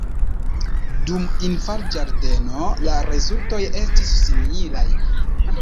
Dum infanĝardeno la rezultoj estis similaj.